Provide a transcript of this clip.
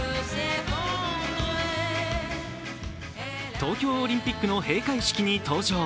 東京オリンピックの閉会式に登場。